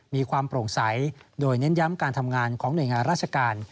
มีความโปร่งใสโดยเน้นย้ำการทำงานของหน่วยงานราชการ